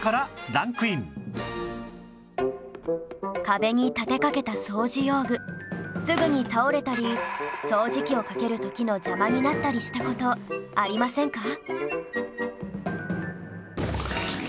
壁に立てかけた掃除用具すぐに倒れたり掃除機をかける時の邪魔になったりした事ありませんか？